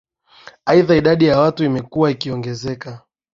Aidha idadi ya watu imekua ikiongezeka